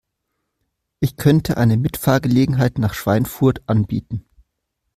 Ich könnte eine Mitfahrgelegenheit nach Schweinfurt anbieten